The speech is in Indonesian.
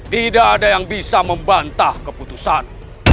tidak ada yang bisa membantah keputusan